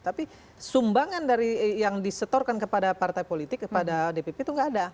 tapi sumbangan dari yang disetorkan kepada partai politik kepada dpp itu nggak ada